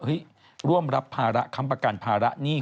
ร่วมรับภาระค้ำประกันภาระหนี้